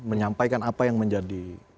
menyampaikan apa yang menjadi